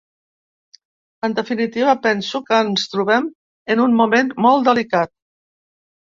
En definitiva, penso que ens trobem en un moment molt delicat.